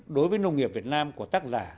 đối với nông nghiệp việt nam của tác giả